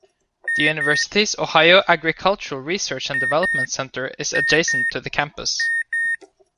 The university's Ohio Agricultural Research and Development Center is adjacent to the campus.